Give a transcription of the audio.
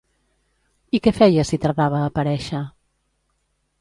I què feia si tardava a aparèixer?